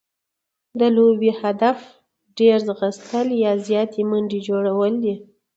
د لوبي هدف ډېر ځغستل يا زیاتي منډي جوړول دي.